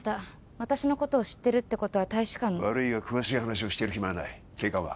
私のことを知ってるってことは大使館の悪いが詳しい話をしてる暇はない警官は？